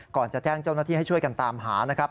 ก่อนจะแจ้งเจ้าหน้าที่ให้ช่วยกันตามหานะครับ